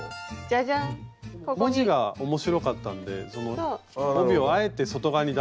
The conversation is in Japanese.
文字が面白かったんでその帯をあえて外側に出してるっていう。